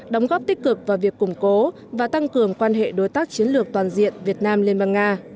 đóng góp tích cực vào việc củng cố và tăng cường quan hệ đối tác chiến lược toàn diện việt nam liên bang nga